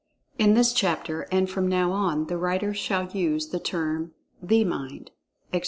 In this chapter and from now on, the writer shall use the term "the Mind," etc.